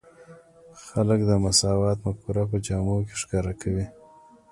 خلک د مساوات مفکوره په جامو کې ښکاره کوي.